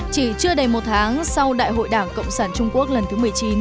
chỉ chưa đầy một tháng sau đại hội đảng cộng sản trung quốc lần thứ một mươi chín